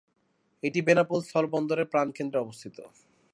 এটি বেনাপোল স্থল বন্দরের প্রাণকেন্দ্রে অবস্থিত।